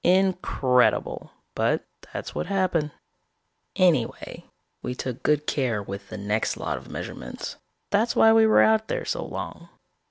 Incredible, but that's what happened. "Anyway, we took good care with the next lot of measurements. That's why we were out there so long.